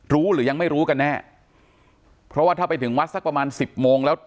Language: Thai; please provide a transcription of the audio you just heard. หรือยังไม่รู้กันแน่เพราะว่าถ้าไปถึงวัดสักประมาณสิบโมงแล้ว